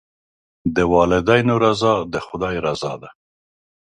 د والدینو رضا د خدای رضا ده.